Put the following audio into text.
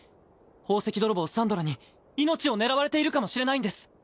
宝石泥棒サンドラに命を狙われているかもしれないんです。